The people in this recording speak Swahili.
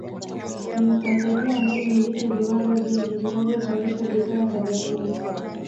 Ni Mtanzania anayemilki viwanda vingi vinavyozalisha bidhaa za vyakula